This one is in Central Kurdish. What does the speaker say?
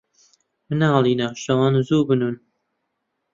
منداڵینە، شەوان زوو بنوون.